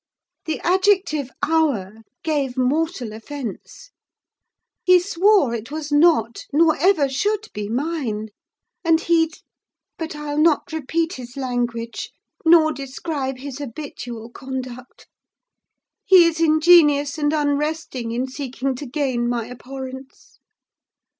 The adjective our gave mortal offence. He swore it was not, nor ever should be, mine; and he'd—but I'll not repeat his language, nor describe his habitual conduct: he is ingenious and unresting in seeking to gain my abhorrence!